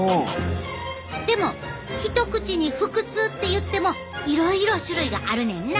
でも一口に腹痛っていってもいろいろ種類があるねんな！